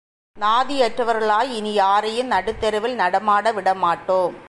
நாதியற்றவர்களாய் இனி யாரையும் நடுத்தெருவில் நடமாட விடமாட்டோம்.